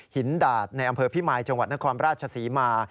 ดาดในอำเภอพิมายจังหวัดนครราชศรีมา